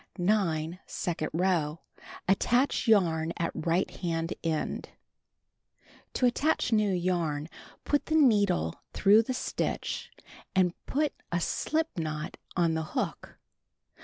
9. Second row: Attach yarn at right hand end. Do not turn To Attach New Yarn Put the needle through the stitch and put a slip knot on the hook.